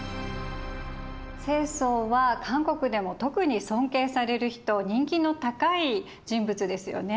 世宗は韓国でも特に尊敬される人人気の高い人物ですよね。